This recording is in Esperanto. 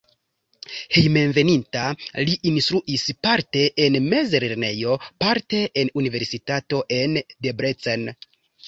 Hejmenveninta li instruis parte en mezlernejo, parte en universitato en Debrecen.